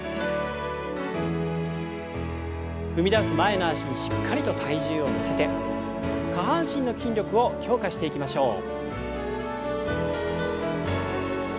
踏み出す前の脚にしっかりと体重を乗せて下半身の筋力を強化していきましょう。